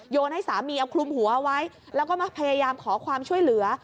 ให้สามีเอาคลุมหัวไว้แล้วก็มาพยายามขอความช่วยเหลือ